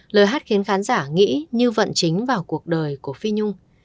lời hát khiến khán giả nghĩ như vận chính vào cuộc đời của phi nhung